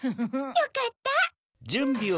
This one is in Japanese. よかった。